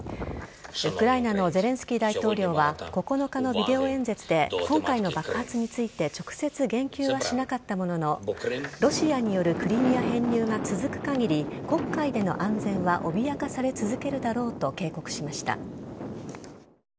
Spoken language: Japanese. ウクライナのゼレンスキー大統領は９日のビデオ演説で今回の爆発について直接言及はしなかったもののロシアによるクリミア編入が続く限り黒海での安全は脅かされ続けるだろうと警告しました。